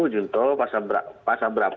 junto pasar berapa